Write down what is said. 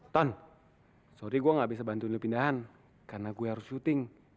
tante sorry gua gak bisa bantuin lu pindahan karena gua harus syuting